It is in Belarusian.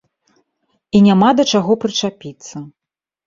І няма да чаго прычапіцца.